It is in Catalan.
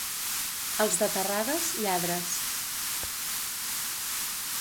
Els de Terrades, lladres.